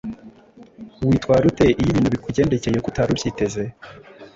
Witwara ute iyo ibintu bikugendekeye uko utari ubyiteze?